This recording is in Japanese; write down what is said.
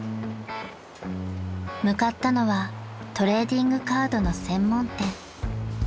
［向かったのはトレーディングカードの専門店］